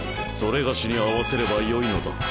それがしに合わせればよいのだ。